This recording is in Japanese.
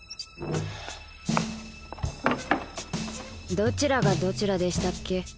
どちらがどちらでしたっけ？